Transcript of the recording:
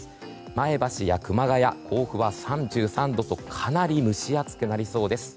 前橋や熊谷、甲府は３３度とかなり蒸し暑くなりそうです。